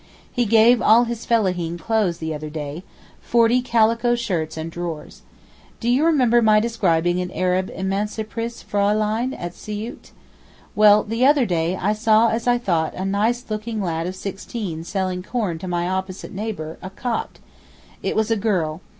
He gave all his fellaheen clothes the other day—forty calico shirts and drawers. Do you remember my describing an Arab emancipirtes Fraülein at Siout? Well, the other day I saw as I thought a nice looking lad of sixteen selling corn to my opposite neighbour, a Copt. It was a girl.